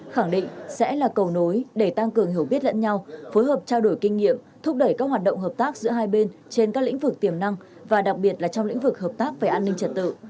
khẳng định sẽ là cầu nối để tăng cường hiểu biết lẫn nhau phối hợp trao đổi kinh nghiệm thúc đẩy các hoạt động hợp tác giữa hai bên trên các lĩnh vực tiềm năng và đặc biệt là trong lĩnh vực hợp tác về an ninh trật tự